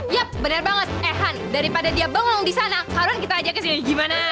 yap bener banget eh han daripada dia bangun disana sekarang kita ajak ke sini gimana